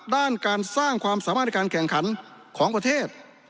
ด้านการสร้างความสามารถในการแข่งขันของประเทศ